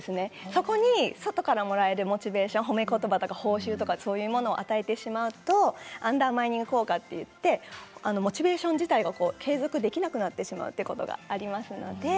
そこから外からもらえるモチベーション、褒め言葉や報酬を与えてしまうとアンダーマインディング効果といってモチベーション自体を継続できないということがあります。